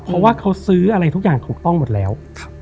เพราะว่าเขาซื้ออะไรทุกอย่างถูกต้องหมดแล้ว